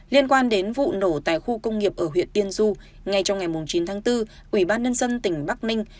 liên quan đến vụ nổ tại khu công nghiệp ở huyện tiên du ngay trong ngày chín tháng bốn ủy ban nhân dân tỉnh bắc ninh